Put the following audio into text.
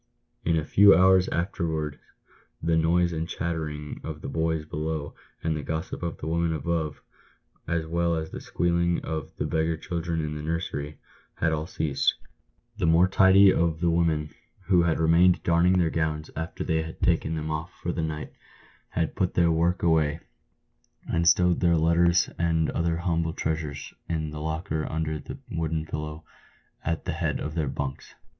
In a few hours afterwards the noise and chattering of the boys below, and the gossip of the women above, as well as the squealing of the beggar children in the nursery, had all ceased. The more tidy of the women, who had remained darning their gowns after they had c 2 20 PAVED WITH GOLD. taken them off for the night, had put their work away, and stowed their letters and other humble treasures in the locker under the wooden pillow at the head of their " bunks."